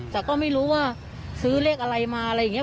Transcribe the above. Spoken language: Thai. แต่ก็ไม่รู้ว่าซื้อเลขอะไรมาอะไรอย่างนี้